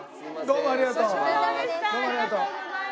どうもありがとう。